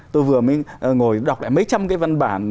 tôi vừa mới ngồi đọc lại mấy trăm cái văn bản